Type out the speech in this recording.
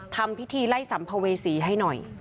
ทำพิธีไล่สัมภเวษีให้หน่อย